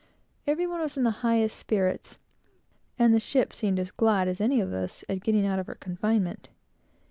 Every one was in the highest spirits, and the ship seemed as glad as any of us at getting out of her confinement.